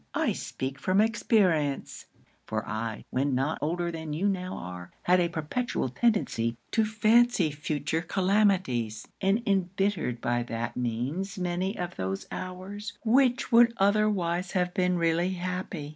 I speak from experience; for I, when not older than you now are, had a perpetual tendency to fancy future calamities, and embittered by that means many of those hours which would otherwise have been really happy.